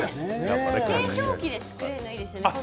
製氷機で作れるのはいいですよね